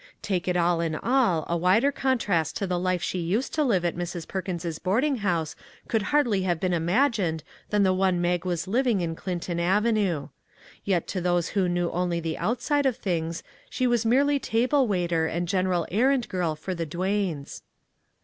Take it all in all, a wider contrast to the life she used to live at Mrs. Perkins's boarding house could hardly have been imagined than the one Mag was living in Clinton avenue ; yet to those who knew only the outside of things she was merely table waiter and general errand girl for the Duanes.